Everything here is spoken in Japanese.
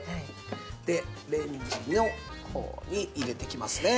でレンジの方に入れていきますね。